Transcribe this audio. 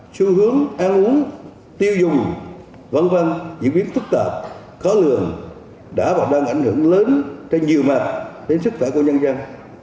xu hướng ăn uống tiêu dùng v v diễn biến phức tạp khó lường đã và đang ảnh hưởng lớn trên nhiều mặt đến sức khỏe của nhân dân